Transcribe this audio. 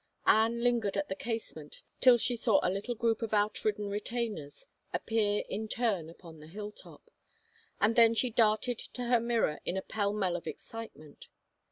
Anne lingered at the casement till she saw a little group of outridden retainers appear in turn upon the hilltop, and then she darted to her mirror in a pell mell of excite ment.